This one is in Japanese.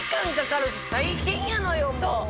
そう！